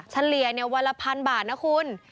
เฉลี่ยวันละพันบาทนะคุณ